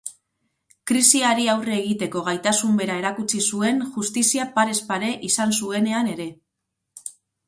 Krisiari aurre egiteko gaitasun bera erakutsi zuen justizia parez pare izan zuenean ere.